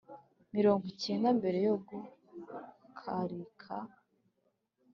mirongo icyenda mbere yo guhakarika